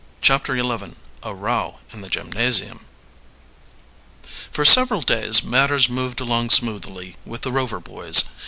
CHAPTER XI A ROW IN THE GYMNASIUM For several days matters moved along smoothly with the Rover boys.